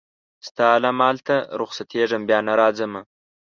ستا له مالته رخصتېږمه بیا نه راځمه